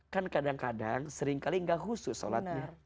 kan kadang kadang sering kali gak khusus sholatnya